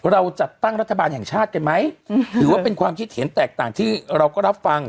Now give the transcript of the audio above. เราจัดตั้งรัฐบาลแห่งชาติกันไหมถือว่าเป็นความคิดเห็นแตกต่างที่เราก็รับฟัง